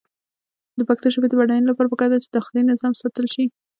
د پښتو ژبې د بډاینې لپاره پکار ده چې داخلي نظام ساتل شي.